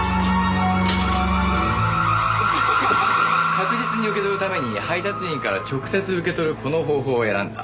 確実に受け取るために配達員から直接受け取るこの方法を選んだ。